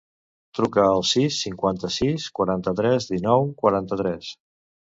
Truca al sis, cinquanta-sis, quaranta-tres, dinou, quaranta-tres.